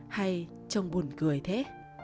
hay trông buồn cười thế